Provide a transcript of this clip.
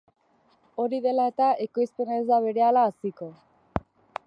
Hori dela eta, ekoizpena ez da berehala haziko.